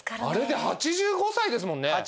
あれで８５歳ですもんね。